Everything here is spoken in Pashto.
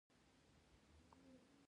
د انسانانو څیرې ډیرې طبیعي وې